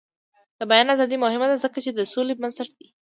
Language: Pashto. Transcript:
د بیان ازادي مهمه ده ځکه چې د سولې بنسټ دی.